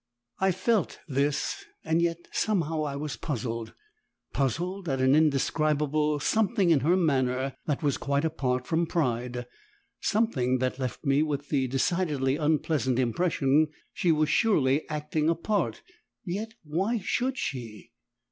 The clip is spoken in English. I felt this, and yet somehow I was puzzled puzzled at an indescribable something in her manner that was quite apart from pride something that left me with the decidedly unpleasant impression she was surely acting a part, and yet why should she?